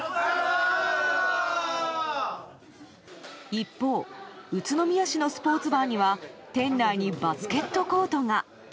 一方宇都宮市のスポーツバーには店内にバスケットコートが。